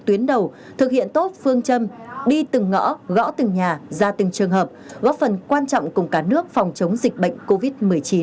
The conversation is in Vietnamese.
tuyến đầu thực hiện tốt phương châm đi từng ngõ gõ từng nhà ra từng trường hợp góp phần quan trọng cùng cả nước phòng chống dịch bệnh covid một mươi chín